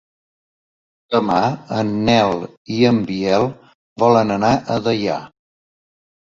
Demà en Nel i en Biel volen anar a Deià.